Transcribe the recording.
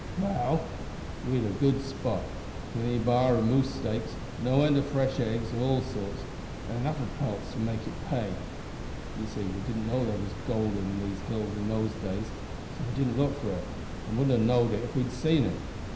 "Well, we had good sport plenty of b'ar and moose steaks, no end of fresh eggs of all sorts, and enough o' pelts to make it pay. You see we didn't know there was gold here in those days, so we didn't look for it, an' wouldn't ha' knowed it if we'd seen it.